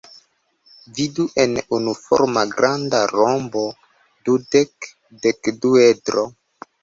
Vidu en unuforma granda rombo-dudek-dekduedro.